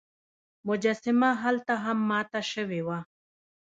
مجسمه هلته هم ماته شوې وه.